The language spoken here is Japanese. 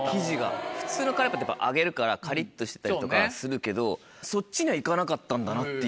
普通のカレーパンってやっぱ揚げるからカリっとしてたりとかするけどそっちには行かなかったんだなっていう。